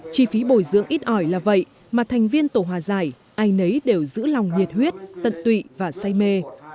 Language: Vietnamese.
chi phí bồi dưỡng ít ỏi là vậy mà thành viên tổ hòa giải ai nấy đều giữ lòng nhiệt huyết tận tụy và say mê